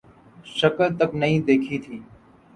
شکل تک نہیں دیکھی تھی